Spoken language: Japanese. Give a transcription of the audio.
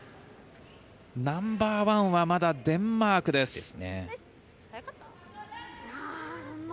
ナンバーワンはまだデンマークです。